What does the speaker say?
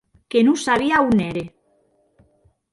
Que non sabia a on ère.